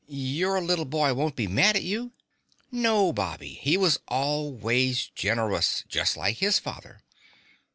"Your little boy won't be mad at you?" "No, Bobby. He was always generous just like his father."